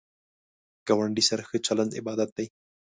ګاونډی سره ښه چلند عبادت دی